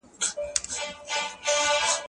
هغه څوک چي قلمان پاکوي روغ وي؟